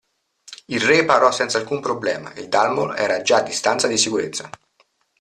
Il re parò senza alcun problema e Dalmor era già a distanza di sicurezza.